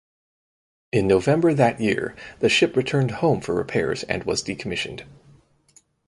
In November that year the ship returned home for repairs and was decommissioned.